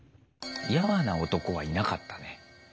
やわな男はいなかったね。